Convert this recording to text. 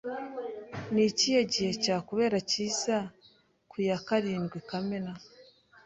Ni ikihe gihe cyakubera cyiza ku ya karindwi Kamena?